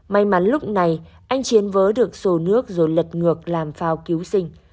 may mắn lúc này anh chiến vớ được sổ nước rồi lật ngược làm phao cứu sinh